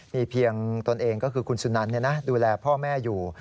มีเพียงตนเองก็คือคุณสุนันดูแลพ่อแม่อยู่